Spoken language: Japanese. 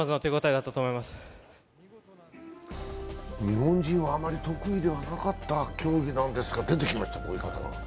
日本人はあまり得意ではなかった競技なんですが出てきました、こういう方が。